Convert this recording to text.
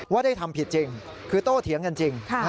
ว่าได้ทำผิดจริงคือโต้เถียงกันจริง